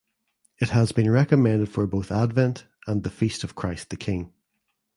It has been recommended for both Advent and Feast of Christ the King.